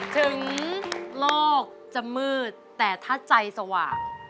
ถึงโลกจะมืดแต่ถ้าใจสว่าง